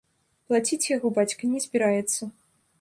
Плаціць яго бацька не збіраецца.